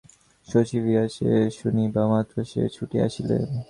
শশী ফিরিয়াছে শুনিবামাত্র সে ছুটিয়া আসিয়াছিল।